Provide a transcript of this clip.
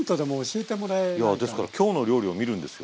いやですから「きょうの料理」を見るんですよ。